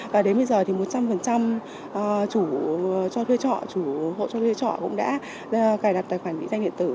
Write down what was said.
và đến bây giờ thì một trăm linh chủ cho thuê trọ chủ hộ cho thuê trọ cũng đã cài đặt tài khoản định danh điện tử